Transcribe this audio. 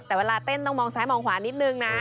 กลับขวานนิดนึงนะ